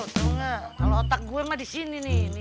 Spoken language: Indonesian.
tunggu kalo otak gue mah disini nih